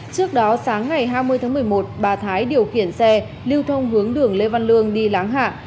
trước đó sáng ngày hai mươi tháng một mươi một bà thái điều khiển xe lưu thông hướng đường lê văn lương đi láng hạ